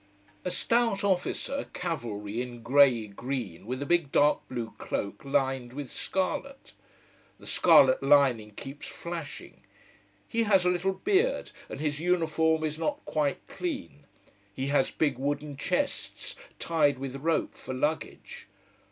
A stout officer, cavalry, in grayey green, with a big dark blue cloak lined with scarlet. The scarlet lining keeps flashing. He has a little beard, and his uniform is not quite clean. He has big wooden chests, tied with rope, for luggage.